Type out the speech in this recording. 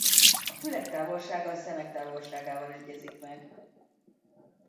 A fülek távolsága a szemek távolságával egyezik meg.